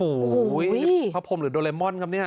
โอ้โหพระพรมหรือโดเรมอนครับเนี่ย